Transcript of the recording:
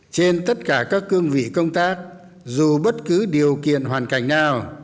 trên tất cả các cương vị công tác dù bất cứ điều kiện hoàn cảnh nào